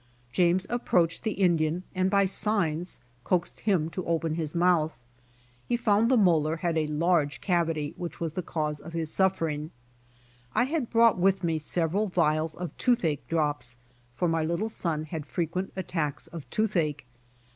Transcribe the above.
James approached the Indian and by signs coaxed himl to open his mouth. He found the molar had a large cavity which was the cause of his suffering. I had brought with me several vials of toothache drops, for my little son had frequent attacks of toothache.